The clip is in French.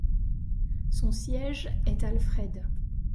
Son siège est Alfred.